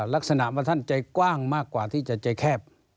ลักษณะว่าท่านใจกว้างมากกว่าที่จะใจแคบ